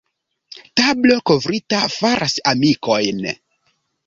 Tablo kovrita faras amikojn.